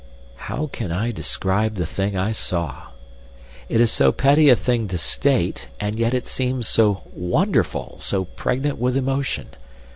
How can I describe the thing I saw? It is so petty a thing to state, and yet it seemed so wonderful, so pregnant with emotion.